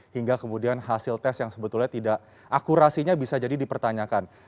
hingga kemudian hasil tes yang sebetulnya tidak akurasinya bisa jadi dipertanyakan